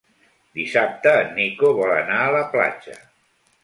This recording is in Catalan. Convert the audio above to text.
Dissabte en Nico vol anar a la platja.